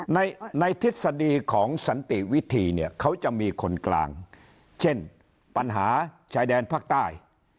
ในในทฤษฎีของสันติวิธีเนี่ยเขาจะมีคนกลางเช่นปัญหาชายแดนภาคใต้